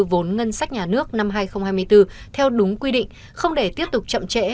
vốn ngân sách nhà nước năm hai nghìn hai mươi bốn theo đúng quy định không để tiếp tục chậm trễ